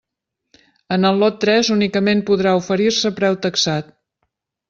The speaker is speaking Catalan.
En el lot tres únicament podrà oferir-se preu taxat.